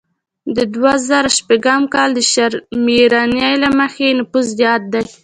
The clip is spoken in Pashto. د دوه زره شپږم کال د سرشمیرنې له مخې یې نفوس زیات دی